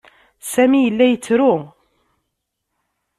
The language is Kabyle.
Sami yella yettru.